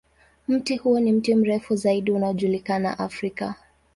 Mti huo ni mti mrefu zaidi unaojulikana Afrika.